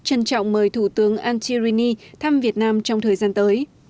trân trọng mời thủ tướng antti rini thăm việt nam trong thời gian tới